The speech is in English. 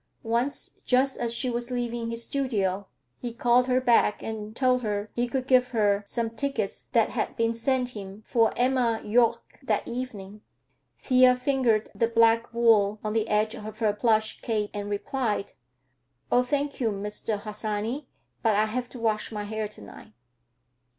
Once, just as she was leaving his studio, he called her back and told her he could give her some tickets that had been sent him for Emma Juch that evening. Thea fingered the black wool on the edge of her plush cape and replied, "Oh, thank you, Mr. Harsanyi, but I have to wash my hair to night."